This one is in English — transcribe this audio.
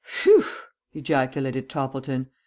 "Phew!" ejaculated Toppleton.